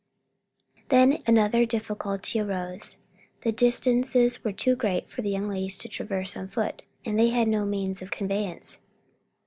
Then another difficulty arose: the distances were too great for the young ladies to traverse on foot, and they had no means of conveyance.